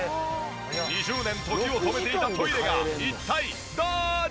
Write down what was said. ２０年時を止めていたトイレが一体どうなったのか？